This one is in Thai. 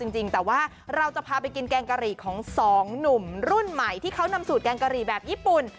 จริงแต่ว่าเราจะพาไปกินแกงกะหรี่ของสองหนุ่มรุ่นใหม่ที่เขานำสูตรแกงกะหรี่แบบญี่ปุ่น